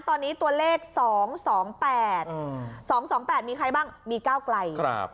ตอนนี้ตัวเลขสองสองแปดอืมสองสองแปดมีใครบ้างมีเก้าไกลครับ